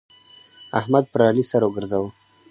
احمد پر علي سر وګرځاوو.